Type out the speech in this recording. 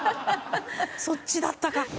そっちだったか。